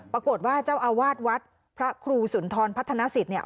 ปรากฏว่าเจ้าอาวาสวัดพระครูสุนทรพัฒนสิทธิเนี่ย